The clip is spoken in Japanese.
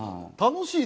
楽しい。